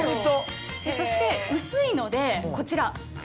そして薄いのでこちら。